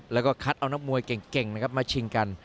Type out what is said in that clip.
และก็คัดเอานักมวยเก่งมาชิงกัน